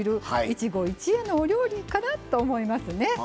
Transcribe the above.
一期一会のお料理かなと思いますね。